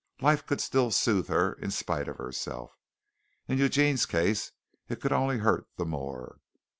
Life could still soothe her in spite of herself. In Eugene's case it could only hurt the more. Mrs.